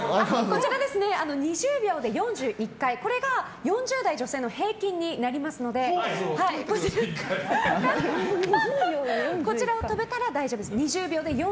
２０秒で４１回が４０代女性の平均になりますのでこちらを跳べたら大丈夫です。